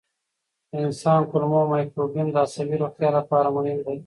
د انسان کولمو مایکروبیوم د عصبي روغتیا لپاره مهم دی.